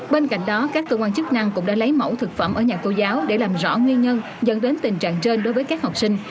bên cạnh đó các cơ quan chức năng cũng đã lấy mẫu thực phẩm ở nhà cô giáo để làm rõ nguyên nhân dẫn đến tình trạng trên đối với các học sinh